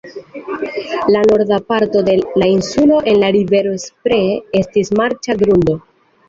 La norda parto de la insulo en la rivero Spree estis marĉa grundo.